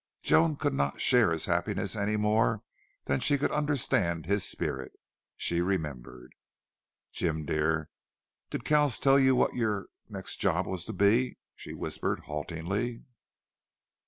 Joan could not share his happiness any more than she could understand his spirit. She remembered. "Jim dear did Kells tell you what your next job was to be?" she whispered, haltingly.